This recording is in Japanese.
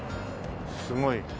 すごい。